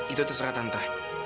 itu terserah tante